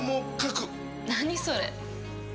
何それ？